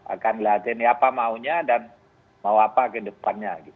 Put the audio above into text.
akan ngeliatin apa maunya dan mau apa ke depannya